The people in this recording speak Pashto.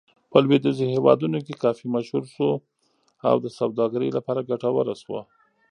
په لویدیځو هېوادونو کې کافي مشهور شو او د سوداګرۍ لپاره ګټوره شوه.